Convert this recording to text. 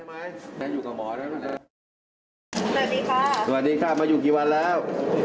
สวัสดีค่ะสวัสดีค่ะมาอยู่กี่วันแล้ว